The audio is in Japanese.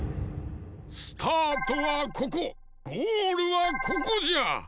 スタートはここゴールはここじゃ！